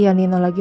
anda semua juga